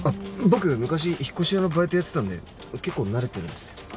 僕昔引っ越し屋のバイトやってたんで結構慣れてるんですよ